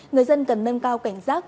người dân cần nâng cao cảnh giác